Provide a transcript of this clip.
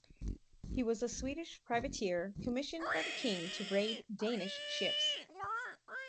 He was a Swedish privateer commissioned by the king to raid Danish ships.